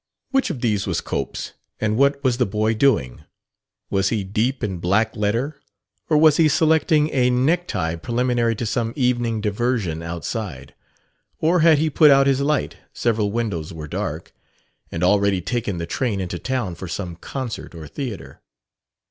Which of these was Cope's, and what was the boy doing? Was he deep in black letter, or was he selecting a necktie preliminary to some evening diversion outside? Or had he put out his light several windows were dark and already taken the train into town for some concert or theatre?